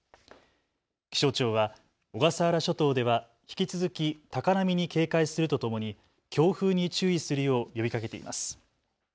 気象庁は小笠原諸島では引き続き高波に警戒するとともに強風に注意するよう呼びかけています。